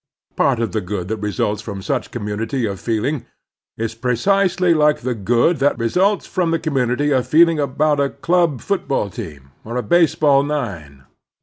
Part of the good that results from such / community of feeling is precisely like the good that results from the commtmity of feeling about a club, I football team, or baseball nine.